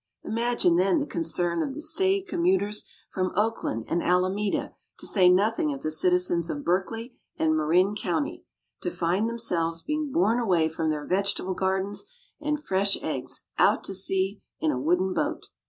Imagine then the concern of the staid commuters from Oakland and Alameda to say nothing of the citizens of Berkeley and Marin County, to find themselves being borne away from their vegetable gardens and fresh eggs out to sea in a wooden boat.